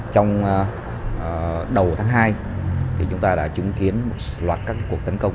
trong đầu tháng hai chúng ta đã chứng kiến một loạt các cuộc tấn công